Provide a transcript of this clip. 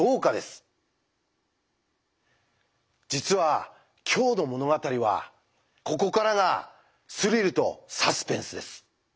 実は今日の物語はここからがスリルとサスペンスです。